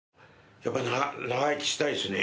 やっぱり長生きしたいっすね。